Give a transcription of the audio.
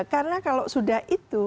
karena kalau sudah itu